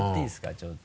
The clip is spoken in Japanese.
ちょっと。